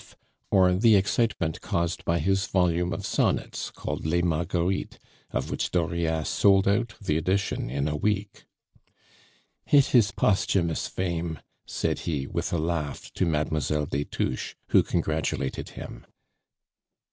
_, or the excitement caused by his volume of sonnets called Les Marguerites, of which Dauriat sold out the edition in a week. "It is posthumous fame," said he, with a laugh, to Mademoiselle des Touches, who congratulated him.